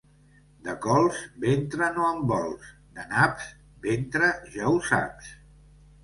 De cols, ventre no en vols; de naps, ventre ja ho saps.